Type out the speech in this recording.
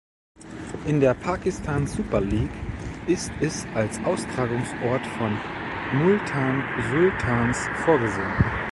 In der Pakistan Super League ist es als Austragungsort von Multan Sultans vorgesehen.